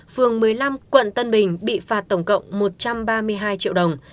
phường một mươi năm quận tân bình bị phạt tổng cộng một trăm ba mươi hai triệu đồng